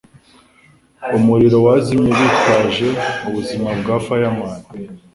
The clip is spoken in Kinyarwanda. Umuriro wazimye bitwaje ubuzima bwa fireman.